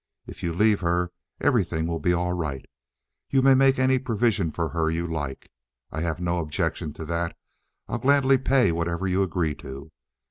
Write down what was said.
If you leave her, everything will be all right. You can make any provision for her you like. I have no objection to that. I'll gladly pay whatever you agree to.